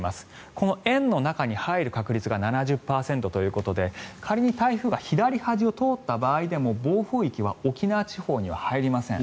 この円の中に入る確率が７０％ということで仮に台風が左端を通った場合でも暴風域は沖縄地方には入りません。